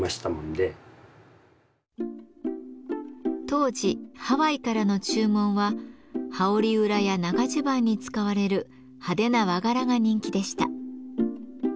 当時ハワイからの注文は羽織裏や長じゅばんに使われる派手な和柄が人気でした。